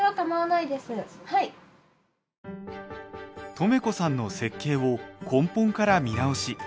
とめこさんの設計を根本から見直し。